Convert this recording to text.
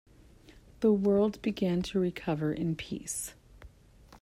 The world began to recover in peace.